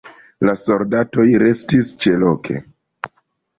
La soldatoj restis ĉeloke.